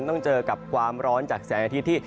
ต้องเจอกับความร้อนจากแสงอาทิตย์ที่